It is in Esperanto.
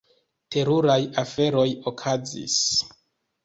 Teruraj aferoj okazis.